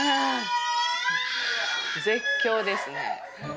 絶叫ですね。